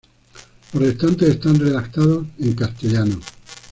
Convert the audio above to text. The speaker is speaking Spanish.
Los restantes están redactados en castellano.